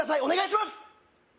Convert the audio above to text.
お願いします